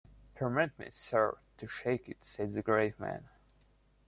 'Permit me, Sir, to shake it,’ said the grave man.